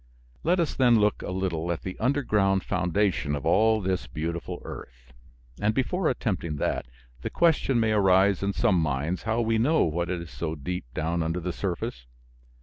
Let us then look a little at the underground foundation of all this beautiful earth. And before attempting that, the question may arise in some minds how we know what is so deep down under the surface.